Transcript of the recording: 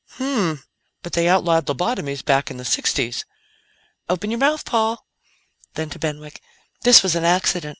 "Hmmh! But they outlawed lobotomies back in the sixties." "Open your mouth, Paul." Then, to Benwick: "This was an accident.